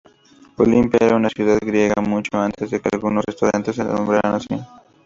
Olympia era una ciudad griega mucho antes de que algunos restaurantes se nombraran así.